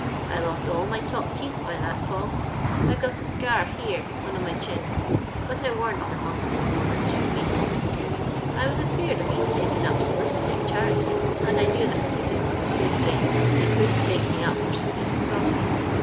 I lost all my top teeth by that fall. I've got a scar here, one on my chin ; but I wam't in the hospital more than two weeks. I was afeard of being taken up solicitin' charity, and I knew that sweeping was a safe game ; they couldn't take me up for sweeping a crossing.